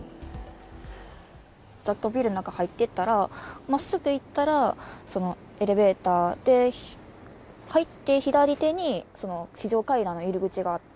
雑居ビルの中に入っていったら、まっすぐ行ったらエレベーターで、入って左手に非常階段の入り口があって。